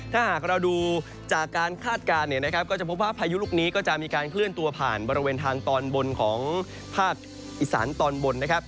ถ้าหากเราดูจากการคาดการณ์เนี่ยนะครับก็จะพบว่าพายุลูกนี้ก็จะมีการเคลื่อนตัวผ่านบริเวณทางตอนบนของภาคอีสานตอนบนนะครับ